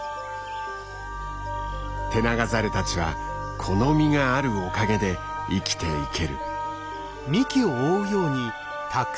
テナガザルたちはこの実があるおかげで生きていける。